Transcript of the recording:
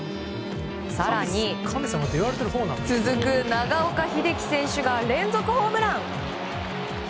更に、続く長岡秀樹選手が連続ホームラン。